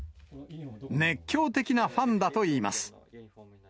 熱狂的なファンだといいます。